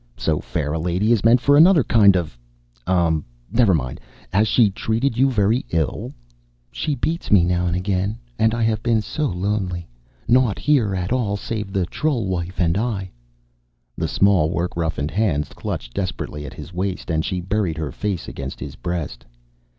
So fair a lady is meant for another kind of, um, never mind! Has she treated you very ill?" "She beats me now and again and I have been so lonely, naught here at all save the troll wife and I " The small work roughened hands clutched desperately at his waist, and she buried her face against his breast.